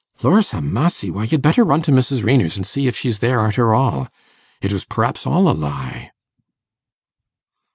'Lors ha' massy, why you'd better run to Mrs. Raynor's an' see if she's there, arter all. It was p'raps all a lie.